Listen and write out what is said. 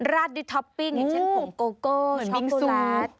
ราดด้วยท็อปปิ้งอย่างเช่นผงโกโก้ช็อกแซด